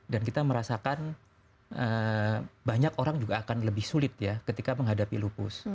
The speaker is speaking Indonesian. dan kita merasakan banyak orang juga akan lebih sulit ya ketika menghadapi lupus